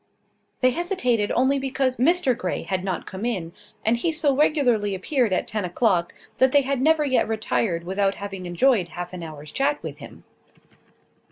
They hesitated only because Mr Grey had not come in; and he so regularly appeared at ten o'clock, that they had never yet retired without having enjoyed half an hour's chat with him.